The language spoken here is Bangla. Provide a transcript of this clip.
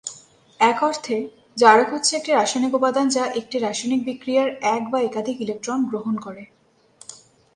এক অর্থে, জারক হচ্ছে একটি রাসায়নিক উপাদান যা একটি রাসায়নিক বিক্রিয়ায় এক বা একাধিক ইলেকট্রন গ্রহণ করে।